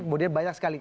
kemudian banyak sekali